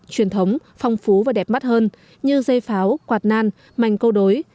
truyền thống phong phú và đẹp mắt hơn như dây pháo quạt nan mảnh câu đối